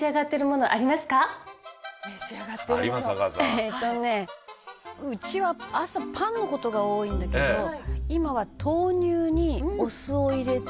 えっとねうちは朝パンの事が多いんだけど今は豆乳にお酢を入れて毎回飲むっていう。